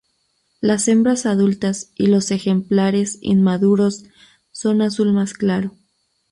Las hembras adultas y los ejemplares inmaduros son azul más claro.